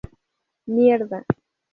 mierda